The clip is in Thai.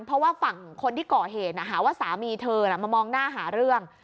เพราะว่าฝั่งคนที่ก่อเหตุหาว่าสามีเธอมามองหน้าหาเรื่อง